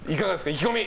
意気込み。